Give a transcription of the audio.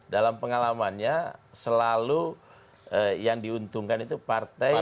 dalam pengalamannya selalu yang diuntungkan itu partai